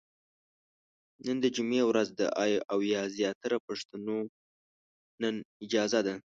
نن د جمعې ورځ ده او زياتره پښتنو نن اجازه ده ،